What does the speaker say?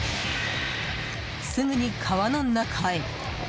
すぐに、川の中へ。